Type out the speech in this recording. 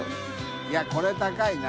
いこれ高いな。